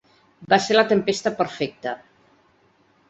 Va ser la tempesta perfecta.